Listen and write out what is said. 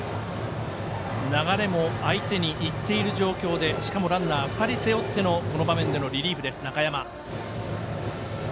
流れも相手にいっている状況でしかもランナー、２人背負ってのこの場面でのリリーフです、中山。